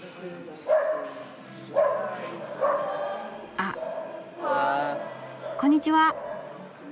・あっこんにちは。